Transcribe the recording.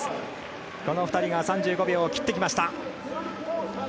この２人が３５秒を切ってきました。